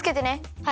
はい。